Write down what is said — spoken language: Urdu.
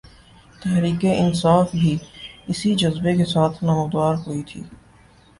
تحریک انصاف بھی اسی جذبے کے ساتھ نمودار ہوئی تھی۔